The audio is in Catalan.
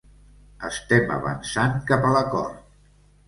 Estem avançant cap a l’acord.